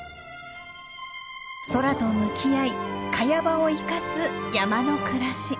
空と向き合いカヤ場を生かす山の暮らし。